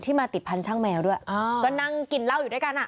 ที่มาติดพันธุ์ช่างแมวด้วยก็นั่งกินเหล้าอยู่ด้วยกัน